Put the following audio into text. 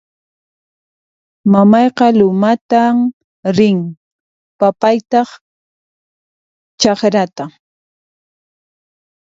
Mamayqa lumatan rin; papaytaq chakrata